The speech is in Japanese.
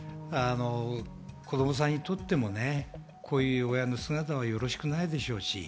子供さんにとっても、こういう親の姿はよろしくないでしょうし。